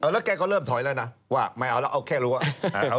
แล้วแกก็เริ่มถอยแล้วนะว่าไม่เอาแล้วเอาแค่รั้ว